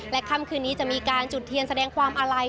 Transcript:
ค่ำคืนนี้จะมีการจุดเทียนแสดงความอาลัย